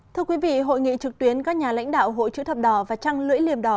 thưa quý vị hội nghị trực tuyến các nhà lãnh đạo hội chữ thập đỏ và trăng lưỡi liềm đỏ